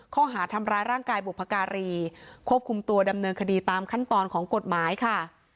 ข้อหาทำร้ายร่างกายบุพการีควบคุมตัวดำเนินคดีตามขั้นตอนของกฎหมายค่ะ